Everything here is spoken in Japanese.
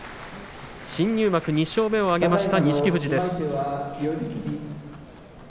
新入幕２勝目を挙げました錦富士です。